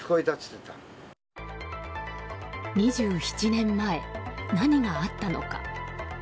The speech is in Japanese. ２７年前、何があったのか。